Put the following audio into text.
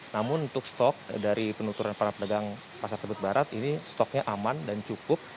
namun untuk stok dari penuturan para pedagang pasar tebet barat ini stoknya aman dan cukup